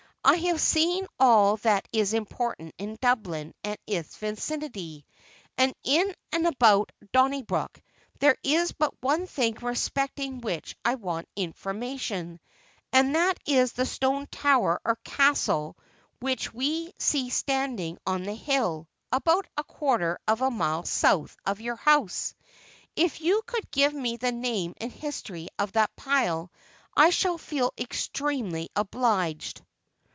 I have seen all that is important in Dublin and its vicinity, and in and about Donnybrook; there is but one thing respecting which I want information, and that is the stone tower or castle which we see standing on the hill, about a quarter of a mile south of your house. If you could give me the name and history of that pile, I shall feel extremely obliged."